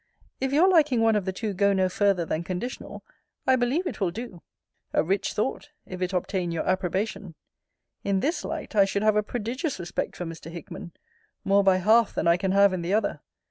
If your liking one of the two go no farther than conditional, I believe it will do. A rich thought, if it obtain your approbation! In this light, I should have a prodigious respect for Mr. Hickman; more by half than I can have in the other.